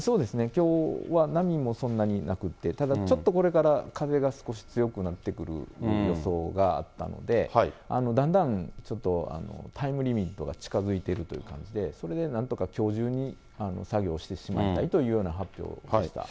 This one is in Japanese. きょうは波もそんなになくて、ただちょっとこれから風が少し強くなってくる予想があったので、だんだんちょっとタイムリミットが近づいているという感じで、それでなんとかきょう中に、作業をしてしまいたいという発表でした。